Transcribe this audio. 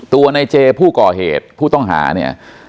ตัวในเจผู้ก่อเหตุผู้ต้องหาเนี่ย